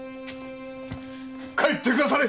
帰ってくだされ！